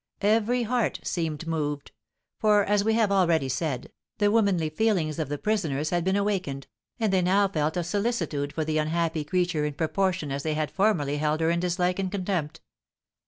Every heart seemed moved; for, as we have already said, the womanly feelings of the prisoners had been awakened, and they now felt a solicitude for the unhappy creature in proportion as they had formerly held her in dislike and contempt.